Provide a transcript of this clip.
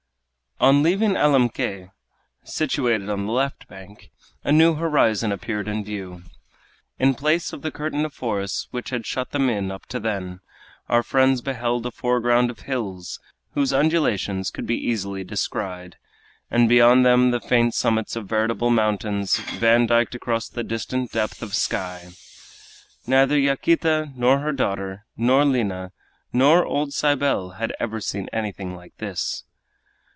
On leaving Alemquer, situated on the left bank, a new horizon appeared in view. In place of the curtain of forests which had shut them in up to then, our friends beheld a foreground of hills, whose undulations could be easily descried, and beyond them the faint summits of veritable mountains vandyked across the distant depth of sky. Neither Yaquita, nor her daughter, nor Lina, nor old Cybele, had ever seen anything like this.